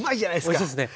おいしいですね。